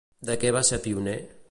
De què va ser pioner?